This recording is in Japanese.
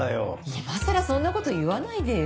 今更そんなこと言わないでよ。